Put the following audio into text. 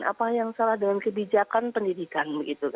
apa yang salah dalam kebijakan pendidikan